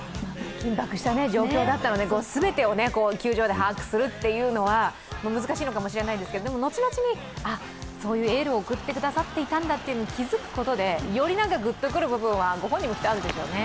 緊迫した状況だったので、全てを球場で把握するというのは難しいのかもしれないですけど後々に、そういうエールを送ってくださっていたんだと気付くことでよりグッとくる部分はご本人としてあるでしょうね。